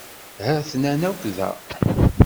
Ha-ten-ad akk da.